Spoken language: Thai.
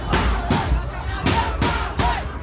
มันอาจจะไม่เอาเห็น